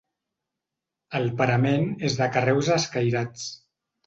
El parament és de carreus escairats.